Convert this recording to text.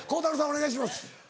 お願いします。